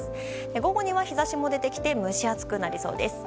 午後には日差しも出てきて蒸し暑くなりそうです。